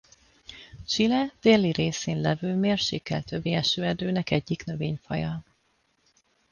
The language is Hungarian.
Chile déli részén levő mérsékelt övi esőerdőnek egyik növényfaja.